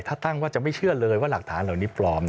ถ้าตั้งว่าจะไม่เชื่อเลยว่าหลักฐานเหล่านี้ปลอม